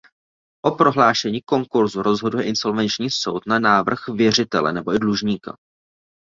O prohlášení konkursu rozhoduje insolvenční soud na návrh věřitele nebo i dlužníka.